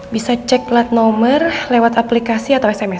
bisa cek plat nomor lewat aplikasi atau sms